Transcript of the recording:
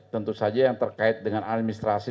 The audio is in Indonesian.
tentu saja yang terkait dengan administrasi